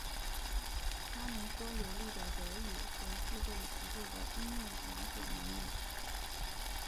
他能说流利的德语和具备足够的英语了解能力。